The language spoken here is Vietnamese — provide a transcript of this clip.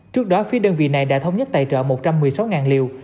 trước đó phía đơn vị này đã thống nhất tài trợ một trăm một mươi sáu liều